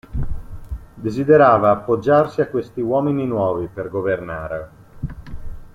Desiderava appoggiarsi a questi uomini nuovi per governare.